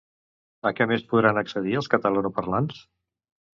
A què més podran accedir els catalanoparlants?